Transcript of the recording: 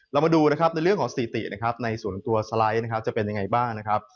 เรามาดูเรื่องของสติติในส่วนตัวสไลด์จะเป็นยังไงบ้าง